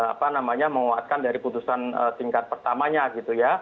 apa namanya menguatkan dari putusan tingkat pertamanya gitu ya